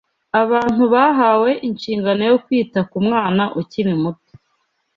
Abantu bahawe inshingano yo kwita ku mwana ukiri muto